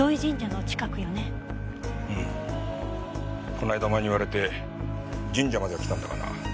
この間お前に言われて神社までは来たんだがな。